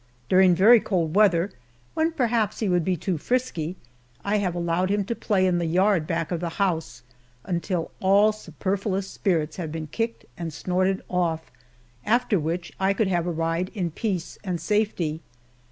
During very cold weather, when perhaps he would be too frisky, I have allowed him to play in the yard back of the house, until all superfluous spirits had been kicked and snorted off, after which I could have a ride in peace and safety.